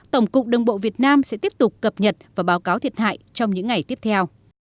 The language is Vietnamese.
tổng cục đồng bộ việt nam sẽ tiếp tục cập nhật và báo cáo thiệt hại trong những ngày tiếp theo